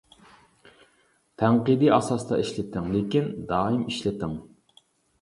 تەنقىدىي ئاساستا ئىشلىتىڭ لېكىن دائىم ئىشلىتىڭ.